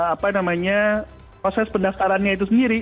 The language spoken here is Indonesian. apa namanya proses pendaftarannya itu sendiri